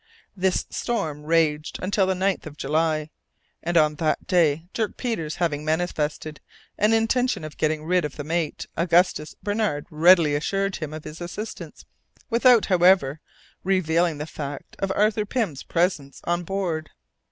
This storm raged until the 9th of July, and on that day, Dirk Peters having manifested an intention of getting rid of the mate, Augustus Barnard readily assured him of his assistance, without, however, revealing the fact of Arthur Pym's presence on board.